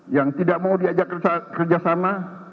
yang tidak mau diajak kerjasama